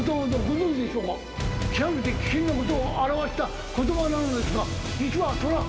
極めて危険なことを表した言葉なのですが実は虎。